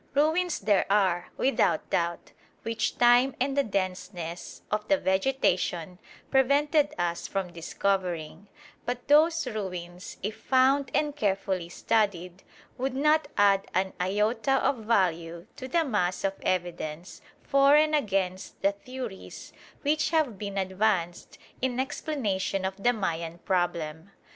Ruins there are, without doubt, which time and the denseness of the vegetation prevented us from discovering; but those ruins, if found and carefully studied, would not add an iota of value to the mass of evidence for and against the theories which have been advanced in explanation of the Mayan problem.